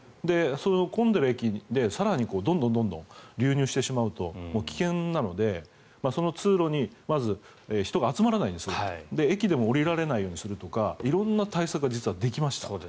混んでいる駅で更にどんどん流入してしまうともう危険なのでその通路にまず人が集まらないように駅に降りられないようにするとか色んな対策は実はできました。